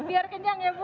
biar kenyang ya bu